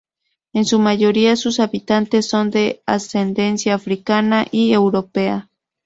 En su mayoría sus habitantes son de ascendencia africana y europea.